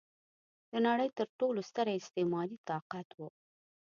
د نړۍ تر ټولو ستر استعماري طاقت و.